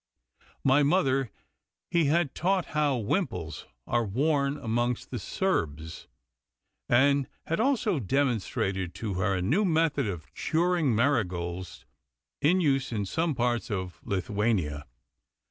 My mother he had taught how wimples are worn amongst the Serbs, and had also demonstrated to her a new method of curing marigolds in use in some parts of Lithuania.